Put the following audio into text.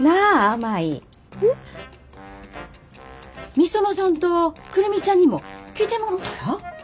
御園さんと久留美ちゃんにも来てもろたら？